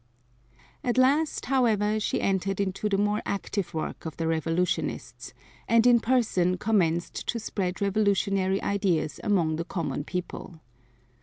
At last, however, she entered into the more active work of the revolutionists, and in person commenced to spread revolutionary ideas among the common people.